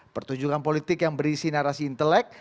pertunjukan politik yang berisi narasi intelek